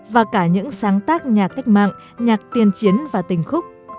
và cả những sáng tác nhạc cách mạng nhạc tiên chiến và tình khúc